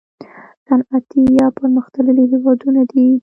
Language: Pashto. صنعتي یا پرمختللي هیوادونه دي.